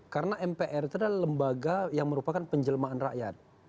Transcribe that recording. karena mpr itu adalah lembaga yang merupakan penjelmaan rakyat